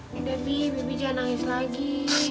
tidak bik bik jangan nangis lagi